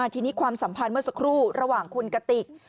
ทีนี้ความสัมพันธ์เมื่อสักครู่ระหว่างคุณกติก